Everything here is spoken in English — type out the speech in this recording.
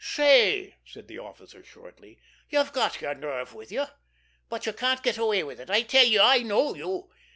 "Say," said the officer shortly, "you've got your nerve with you! But you can't get away with it! I tell you, I know you!